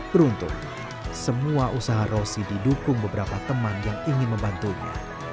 beruntung semua usaha rosi didukung beberapa teman yang ingin membantunya